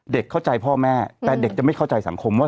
เข้าใจพ่อแม่แต่เด็กจะไม่เข้าใจสังคมว่า